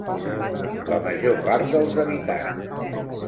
La major part dels habitants.